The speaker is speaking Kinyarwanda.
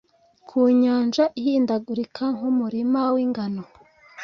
Ku Nyanja ihindagurika nkumurima wingano